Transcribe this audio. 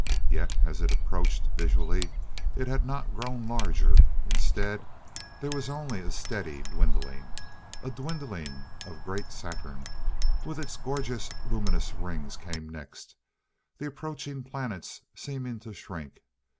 Yet, as it approached, visually it had not grown larger. Instead, there was only a steady dwindling. A dwindling of great Saturn, with its gorgeous, luminous rings came next. These approaching planets, seeming to shrink!